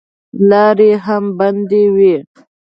لارې هم بندې وې.